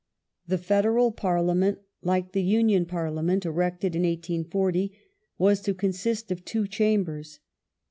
^ The Federal Parliament, like the Union Parliament erected in The 1840, was to consist of two chambers.